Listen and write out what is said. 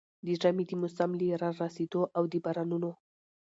د ژمي د موسم له را رسېدو او د بارانونو